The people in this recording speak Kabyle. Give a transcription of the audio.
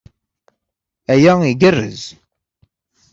Aya igerrez!